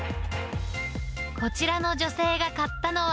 こちらの女性が買ったのは。